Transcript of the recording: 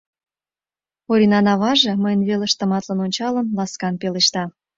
— Оринан аваже, мыйын велыш тыматлын ончалын, ласкан пелешта.